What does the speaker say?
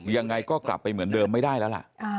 ยังไงก็กลับไปเหมือนเดิมไม่ได้แล้วล่ะ